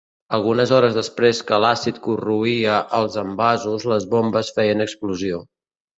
Algunes hores després que l'àcid corroïa els envasos les bombes feien explosió.